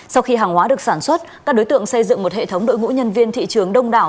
sau khi hàng hóa được sản xuất các đối tượng xây dựng một hệ thống đội ngũ nhân viên thị trường đông đảo